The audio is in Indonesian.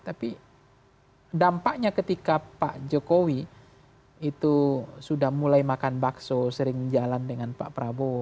tapi dampaknya ketika pak jokowi itu sudah mulai makan bakso sering jalan dengan pak prabowo